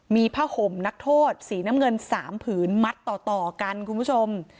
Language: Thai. มีผ้าห่มนักโทษสีน้ำเงิน๓ผืนมัดต่อกันคุณผู้ชม